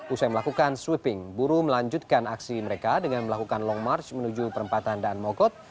usai melakukan sweeping buruh melanjutkan aksi mereka dengan melakukan long march menuju perempatan daan mogot